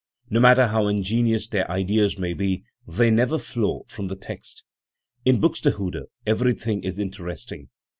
No matter how ingenious their ideas may be, they never flow from the text. In Buxtehude everything is interesting.